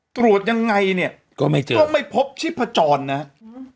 ตรวจยังไงเนี่ยต้องไม่พบชิพจรนะครับ